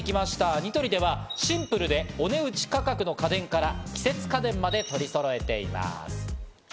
ニトリではシンプルでお値打ち価格の家電から、季節家電まで取りそろえています。